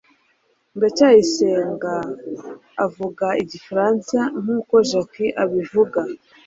ndacyayisenga avuga igifaransa nkuko jaki abivuga